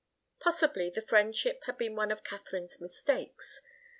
Possibly the friendship had been one of Katharine's mistakes.